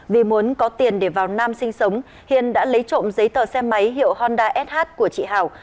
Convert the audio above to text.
vì muốn có tiền để vào nam sinh sống hiền đã lấy trộm giấy tờ xe máy hiệu honda sh của chị hảo